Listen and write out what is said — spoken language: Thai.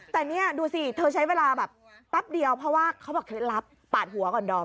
แต่นี่ดูสิเธอใช้เวลาแบบแป๊บเดียวเพราะว่าเขาบอกเคล็ดลับปาดหัวก่อนดอม